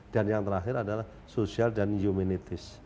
dan yang terakhir adalah social dan humanities